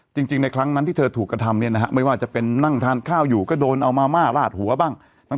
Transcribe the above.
จริงในครั้งนั้นที่เธอถูกกระทำเนี่ยนะฮะไม่ว่าจะเป็นนั่งทานข้าวอยู่ก็โดนเอามาม่าลาดหัวบ้าง